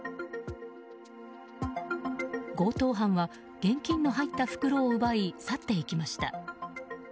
強盗犯は現金の入った袋を奪い去っていきました。